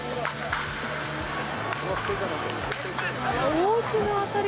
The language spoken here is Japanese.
大きな当たり！